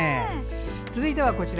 続いては、こちら。